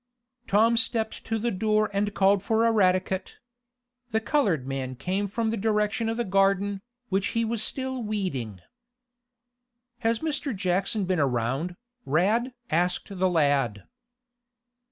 Tom stepped to the door and called for Eradicate. The colored man came from the direction of the garden, which he was still weeding. "Has Mr. Jackson been around, Rad?" asked the lad.